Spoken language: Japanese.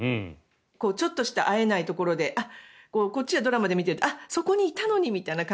ちょっとしか会えないところでこっちはドラマで見ていてあ、そこにいたのにって。